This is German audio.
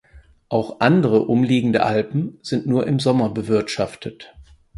Auch andere umliegende Alpen sind nur im Sommer bewirtschaftet.